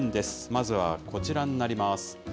まずはこちらになります。